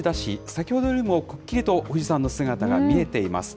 先ほどよりもくっきりと富士山の姿が見えています。